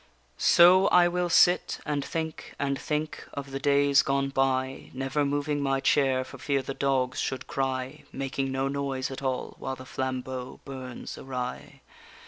_ So I will sit, and think and think of the days gone by, Never moving my chair for fear the dogs should cry, Making no noise at all while the flambeau burns awry.